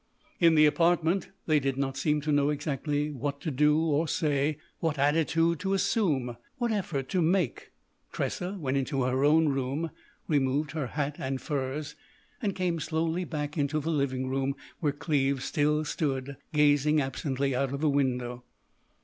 In the apartment they did not seem to know exactly what to do or say—what attitude to assume—what effort to make. Tressa went into her own room, removed her hat and furs, and came slowly back into the living room, where Cleves still stood gazing absently out of the window.